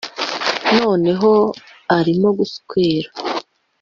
noneho arimo guswera .